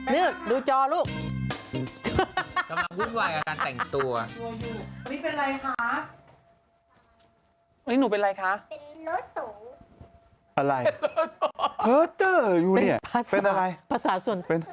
ดูจอลูกตัวอยู่นี่เป็นไรคะนี่หนูเป็นไรคะอะไรเป็นอะไรภาษาส่วน